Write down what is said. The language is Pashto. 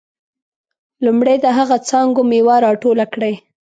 لومړی د هغه څانګو میوه راټوله کړئ.